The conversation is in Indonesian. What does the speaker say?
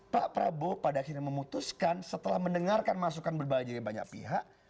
pak prabowo pada akhirnya memutuskan setelah mendengarkan masukan berbagai jenis pihak